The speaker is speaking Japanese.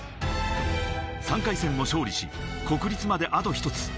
３回戦も勝利し、国立まで、あと一つ。